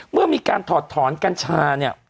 เมื่อมีการถอดถอนกัญชาเนี่ย